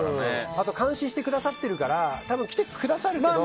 あと監視してくださってるから来てくださるけど。